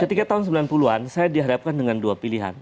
ketika tahun sembilan puluh an saya dihadapkan dengan dua pilihan